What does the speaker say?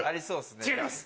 違います。